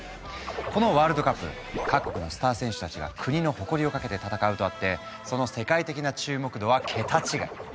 このワールドカップ各国のスター選手たちが国の誇りをかけて戦うとあってその世界的な注目度はケタ違い！